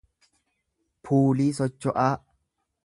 puulii socho'aa